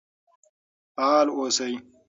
فعال اوسئ.